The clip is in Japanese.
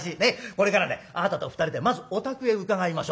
これからねあなたと２人でまずお宅へ伺いましょう。ね？